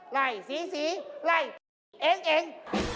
ไล่ศรีศรีไล่เองเอง